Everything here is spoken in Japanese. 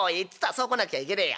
そう来なくちゃいけねえや。